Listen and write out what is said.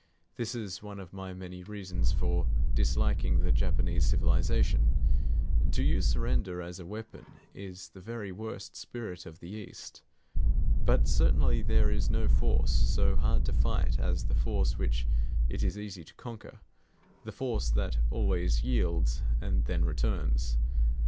This is one of my many reasons for disliking the Japanese civilization. To use surrender as a weapon is the very worst spirit of the East. But certainly there is no force so hard to fight as the force which it is easy to conquer; the force that always yields and then returns.